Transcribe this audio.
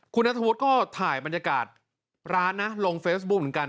คุณนัทธวุฒิก็ถ่ายบรรยากาศร้านนะลงเฟซบุ๊คเหมือนกัน